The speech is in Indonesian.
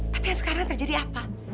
tapi yang sekarang terjadi apa